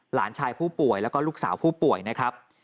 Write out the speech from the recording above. หลานชายผู้ป่วยแล้วก็ลูกสาวผู้ป่วยนะครับ